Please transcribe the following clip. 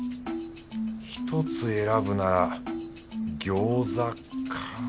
ひとつ選ぶなら餃子か。